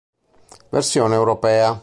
Versione europea